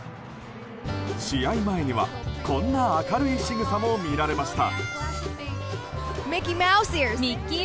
試合前には、こんな明るいしぐさも見られました。